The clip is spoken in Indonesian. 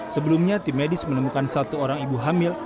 sebelumnya tim medis menemukan satu orang ibu hamil